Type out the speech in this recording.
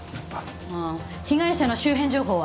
被害者の周辺情報は？